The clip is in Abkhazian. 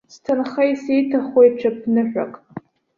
Сҭынха исиҭахуеит ҽыԥныҳәак.